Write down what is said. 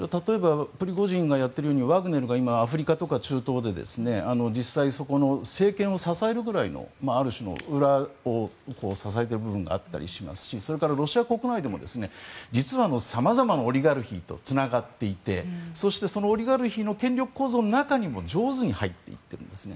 プリゴジンがやっているようにワグネルが今、アフリカとか中東で実際、そこの政権を支えるぐらいのある種の裏を支えている部分があったりしますしロシア国内でも実は様々なオリガルヒとつながっていてそしてそのオリガルヒの権力構造の中にも上手に入っていっているんですね。